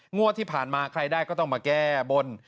งวดที่ผ่านมาใครได้ก็ต้องมาแก้บน